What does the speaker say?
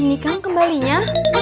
ini kan kembalinya